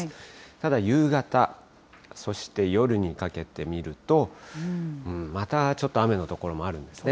ただ夕方、そして夜にかけて見ると、またちょっと雨の所もあるんですね。